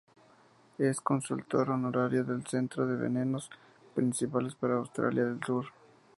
Es consultor honorario del Centro de Venenos principales para Australia del Sur.